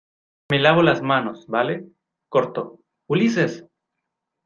me lavo las manos, ¿ vale? corto. ¡ Ulises!